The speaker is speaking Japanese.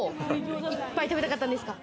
いっぱい食べたかったんですか？